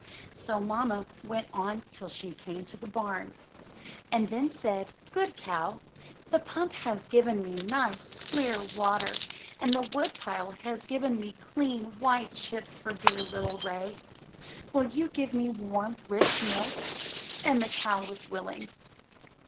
So mamma went on till she came to the barn, and then said: Good Cow, the pump has given me nice, clear water, and the wood pile has given me clean, white chips for dear little Ray. Will you give me warm, rich milk?" And the cow was willing.